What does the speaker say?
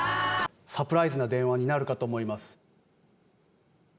サプライズな電話になるかと思います。